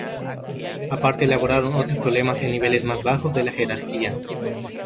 Aparte elaboraron otros problemas en niveles más bajo de la jerarquía.